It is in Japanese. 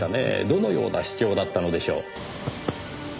どのような主張だったのでしょう？